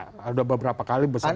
sudah beberapa kali besar